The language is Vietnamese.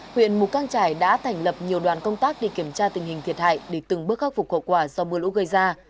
huyện mù căng trải đã thành lập nhiều đoàn công tác đi kiểm tra tình hình thiệt hại để từng bước khắc phục hậu quả do mưa lũ gây ra